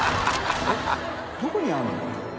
どこにあるの？